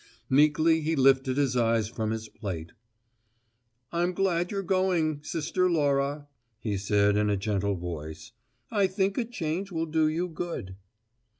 Meekly he lifted his eyes from his plate. "I'm glad you're going, sister Laura," he said in a gentle voice. "I think a change will do you good."